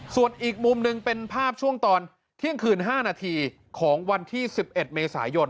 ส่วนอีกมุมหนึ่งเป็นภาพช่วงตอนเที่ยงคืน๕นาทีของวันที่๑๑เมษายน